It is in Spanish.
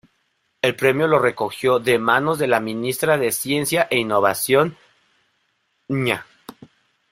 El Premio lo recogió de manos de la Ministra de Ciencia e Innovación, Dña.